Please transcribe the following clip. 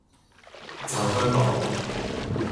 撐香港